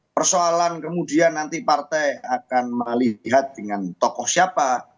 persoalan kemudian nanti partai akan melihat dengan tokoh siapa